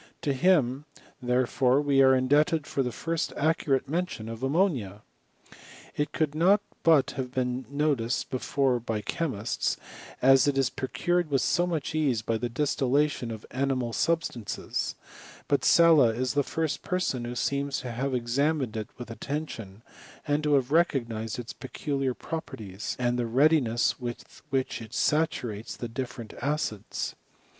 To him, therefore, we are indebted for the first ac curate mention of ammonia. It could not but have been noticed before by chemists, as it is procured with so much ease by the distillation of animal substances ; but Sala is the first person who seems to have exa mined it with attention, and to have recognised its peculiar properties, and the readiness with which it saturates the different acids.